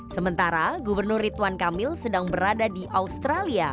sementara gubernur ridwan kamil sedang berada di australia